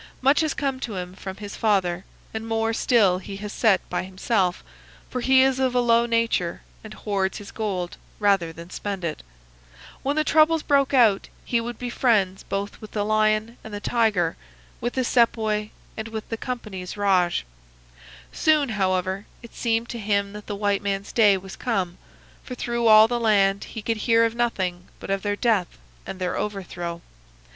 Much has come to him from his father, and more still he has set by himself, for he is of a low nature and hoards his gold rather than spend it. When the troubles broke out he would be friends both with the lion and the tiger,—with the Sepoy and with the Company's Raj. Soon, however, it seemed to him that the white men's day was come, for through all the land he could hear of nothing but of their death and their overthrow.